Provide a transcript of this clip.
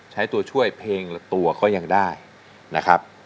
ใช้ตัวช่วยเพลงละตัวก็ยังได้นะครับ